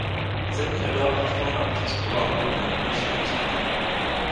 Země nebyla ohrožována občanskou válkou ani vnějšími nepřáteli.